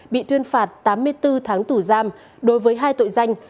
bị tuyên phạt tám mươi bốn tháng tù giam đối với hai tội danh